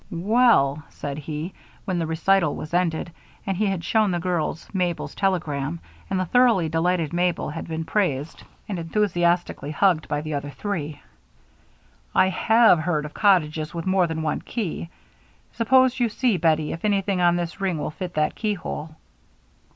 "Well," said he, when the recital was ended, and he had shown the girls Mabel's telegram, and the thoroughly delighted Mabel had been praised and enthusiastically hugged by the other three, "I have heard of cottages with more than one key. Suppose you see, Bettie, if anything on this ring will fit that keyhole."